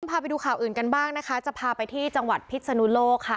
พาไปดูข่าวอื่นกันบ้างนะคะจะพาไปที่จังหวัดพิษนุโลกค่ะ